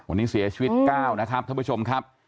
วันนี้เสียชีวิต๙นะครับท่านผู้ชมครับ